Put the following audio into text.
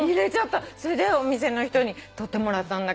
それでお店の人に取ってもらったんだけど。